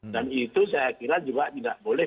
dan itu saya kira juga tidak boleh